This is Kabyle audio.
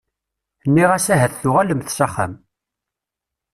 Nniɣ-as ahat tuɣalemt s axxam.